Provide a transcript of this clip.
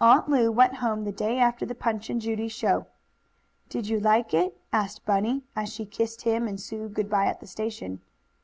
Aunt Lu went home the day after the Punch and Judy show. "Did you like it?" asked Bunny, as she kissed him and Sue good bye at the station.